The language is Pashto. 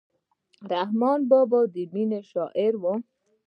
رحمان بابا د مینې شاعر و.